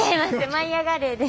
「舞いあがれ！」です。